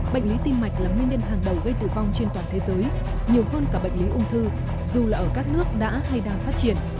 bệnh lý tim mạch là nguyên nhân hàng đầu gây tử vong trên toàn thế giới nhiều hơn cả bệnh lý ung thư dù là ở các nước đã hay đang phát triển